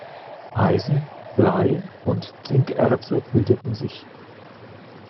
Eisen-, Blei- und Zinkerze bildeten sich.